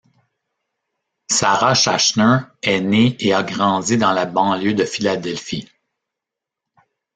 Sarah Schachner est née et a grandi dans la banlieue de Philadelphie.